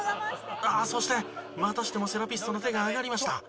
そしてまたしてもセラピストの手が挙がりました。